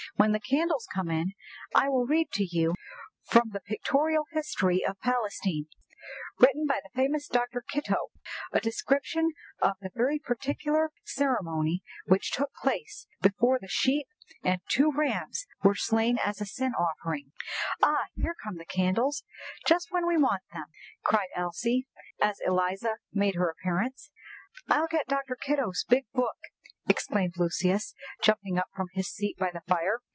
"When the candles come in, I will read to you from the 'Pictorial History of Palestine,' written by the famous Dr. Kitto, a description of a very peculiar ceremony which took place before the sheep and two rams were slain as a sin offering." "Ah! here come the candles—just when we want them!" cried Elsie, as Eliza made her appearance. "I'll get Dr. Kitto's big book!" exclaimed Lucius, jumping up from his seat by the fire.